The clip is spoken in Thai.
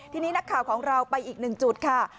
ทีนี้นักข่าวของเราไปอีกหนึ่งจุดค่ะ